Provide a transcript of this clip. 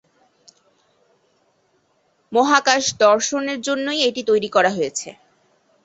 মহাকাশ দর্শনের জন্যই এটি তৈরি করা হয়েছে।